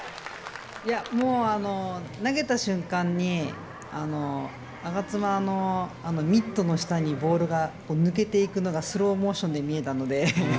もう投げた瞬間に我妻のミットの下にボールが抜けていくのがスローモーションで見えたので。